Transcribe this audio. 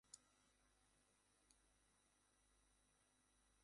তবে, উইকেট-রক্ষক হিসেবে যথেষ্ট কৃতিত্বের স্বাক্ষর রেখে গেছেন।